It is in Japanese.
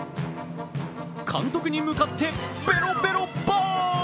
監督に向かってベロベロバー！